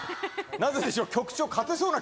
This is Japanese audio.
なぜでしょう。